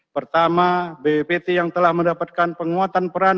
pertama bppt yang telah mendapatkan penguatan peran